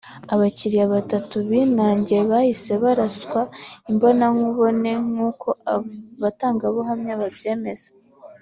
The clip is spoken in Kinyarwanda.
Abakiriya batatu binangiye bahise baraswa imbonankubone nk’uko abatangabuhamya babyemeza